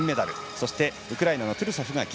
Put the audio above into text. そして、ウクライナのトゥルソフが銀。